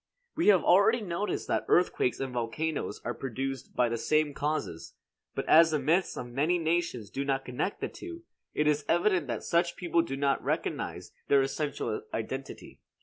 We have already noticed that earthquakes and volcanoes are produced by the same causes; but as the myths of many nations do not connect the two, it is evident that such people did not recognize their essential identity.